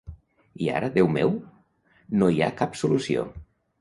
I ara, Déu meu, no hi ha cap solució...